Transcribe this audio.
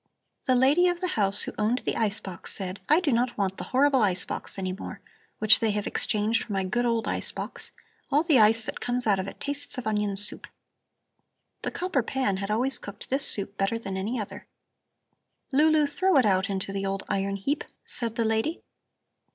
The lady of the house who owned the ice box said: 'I do not want the horrible ice box any more, which they have exchanged for my good old ice box. All the ice that comes out of it tastes of onion soup.' The copper pan had always cooked this soup better than any other. 'Lulu, throw it out to the old iron heap,' said the lady.